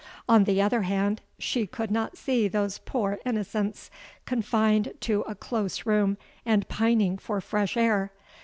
On the other hand, she could not see those poor innocents confined to a close room and pining for fresh air.